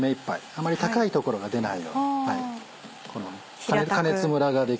あまり高い所が出ないように。